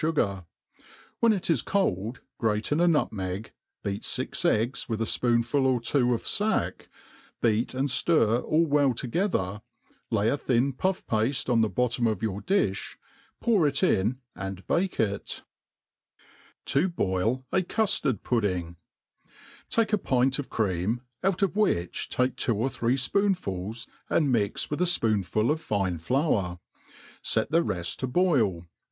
fugar; when itiscold^ ^rate in a nutmeg, beat fix eggs with a fpoonful or t^o of jack, beat and ftir all well together, lay a thin puff pafte b^ •^e bottom of your difht poM<' it in and bake it« . 7i boil a Cuftard Pudding, TAKE a pint of cream, out of which take two or three l^iooR* fuls, and mix with a fpoonful of fine flour; fet the reft to boil.